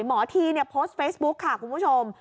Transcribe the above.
หมอธีเนี่ยโพสต์เฟซบุ๊กค่ะคุณผู้ชม